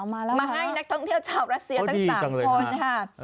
มาแล้วมาให้นักท่องเที่ยวชาวรัสเซียทั้ง๓คนค่ะ